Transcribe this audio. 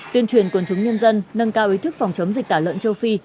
tuyên truyền quần chúng nhân dân nâng cao ý thức phòng chống dịch tả lợn châu phi